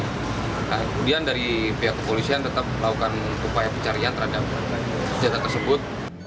kemudian dari pihak kepolisian tetap melakukan upaya pencarian terhadap senjata tersebut